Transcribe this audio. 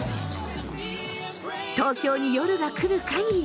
東京に夜が来る限り